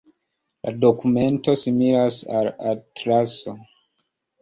La dokumento similas al atlaso.